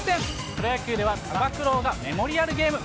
プロ野球ではつば九郎がメモリアルゲーム。